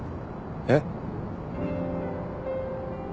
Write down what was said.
えっ？